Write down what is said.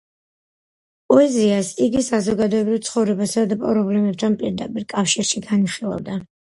პოეზიას იგი საზოგადოებრივ ცხოვრებასა და პრობლემებთან პირდაპირ კავშირში განიხილავდა.